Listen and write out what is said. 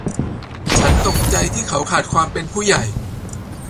ฉันตกใจที่เขาขาดความเป็นผู้ใหญ่